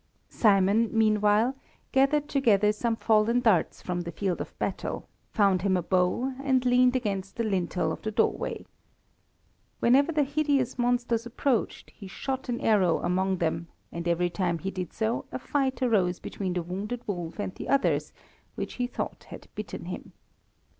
Simon, meanwhile, gathered together some fallen darts from the field of battle, found him a bow, and leaned against the lintel of the doorway. Whenever the hideous monsters approached, he shot an arrow among them, and every time he did so a fight arose between the wounded wolf and the others, which he thought had bitten him.